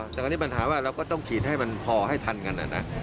แต่ว่ามันถามว่าเราก็ต้องฉีดให้มันพอให้ทันนะ